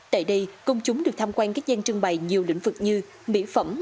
tại đây công chúng được tham quan các gian trưng bày nhiều lĩnh vực như mỹ phẩm